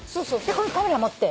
でカメラ持って。